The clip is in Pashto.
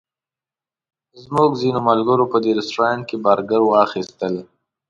زموږ ځینو ملګرو په دې رسټورانټ کې برګر واخیستل.